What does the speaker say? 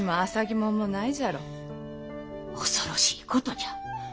恐ろしいことじゃ。